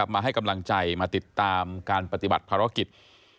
มาให้กำลังใจมาติดตามการปฏิบัติภารกิจ